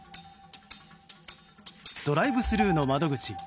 ドライブスルーの窓口。